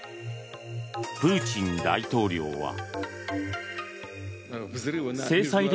プーチン大統領は。